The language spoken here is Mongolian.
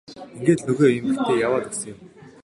Ингээд л нөгөө эмэгтэй яваад өгсөн юм.